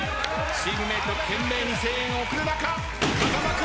チームメート懸命に声援を送る中風間君